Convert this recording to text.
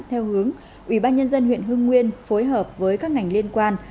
theo hướng ủy ban nhân dân huyện hưng nguyên phối hợp với các ngành liên quan